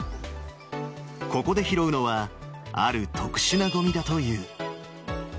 ここで拾うのは、ある特殊なごみだという。